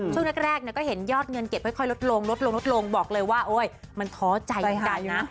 ช่วงแรกก็เห็นยอดเงินเก็บค่อยลดลงลดลงลดลงบอกเลยว่าโอ๊ยมันท้อใจเหมือนกันนะ